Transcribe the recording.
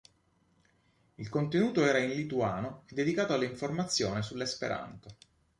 Il contenuto era in lituano e dedicato alla informazione sull'esperanto.